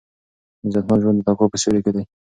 عزتمن ژوند د تقوا په سیوري کې دی.